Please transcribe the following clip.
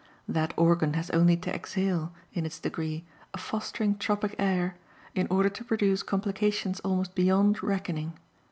That organ has only to exhale, in its degree, a fostering tropic air in order to produce complications almost beyond reckoning.